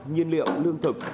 nhiên liệu lương thực